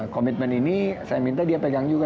komitmen ini saya minta dia pegang juga